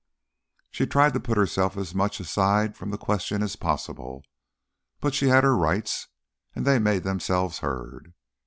She tried to put herself as much aside from the question as possible, but she had her rights and they made themselves heard.